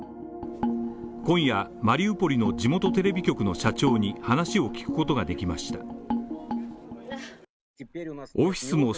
今夜、マリウポリの地元テレビ局の社長に話を聞くことができました。